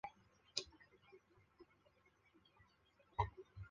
中下游左岸的青山沟是国家级风景名胜区。